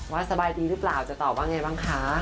สบายดีหรือเปล่าจะตอบว่าไงบ้างคะ